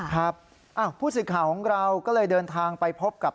ครับผู้สื่อข่าวของเราก็เลยเดินทางไปพบกับ